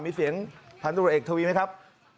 มีเสียงพันธุรกิจเอกทวีไหมครับ